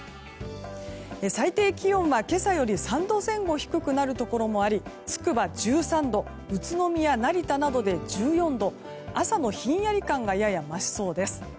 最低気温は、今朝より３度前後低くなるところもありつくば、１３度宇都宮、成田などで１４度朝のひんやり感がやや増しそうです。